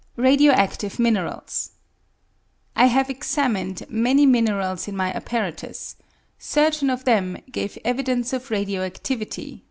Radio active Minerals. I have examined many minerals in my apparatus ; certain of them gave evidence of radio adivity, f.